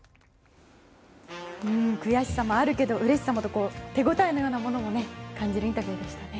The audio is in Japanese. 悔しさもあるけどうれしさもと手ごたえのようなものも感じるインタビューでしたね。